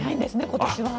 今年は。